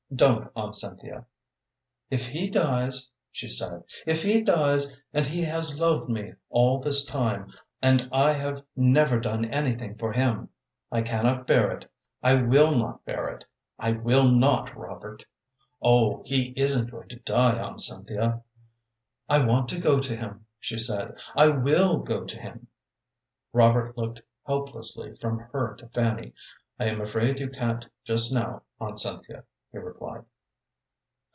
"Don't, Aunt Cynthia." "If he dies," she said "if he dies and he has loved me all this time, and I have never done anything for him I cannot bear it; I will not bear it; I will not, Robert!" "Oh, he isn't going to die, Aunt Cynthia." "I want to go to him," she said. "I will go to him." Robert looked helplessly from her to Fanny. "I am afraid you can't just now, Aunt Cynthia," he replied.